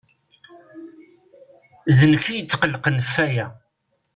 D nekk i yetqelqen f aya.